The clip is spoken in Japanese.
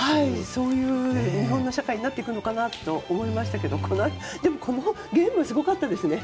そういう日本の社会になっていくのかなと思いましたけどこのゲーム、すごかったですね。